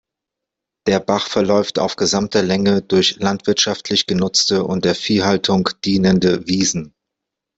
Der Bach verläuft auf gesamter Länge durch landwirtschaftlich genutzte und der Viehhaltung dienende Wiesen.